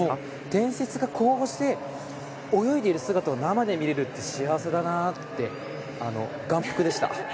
伝説が泳いでいる姿を生で見れるって幸せだなって眼福でした。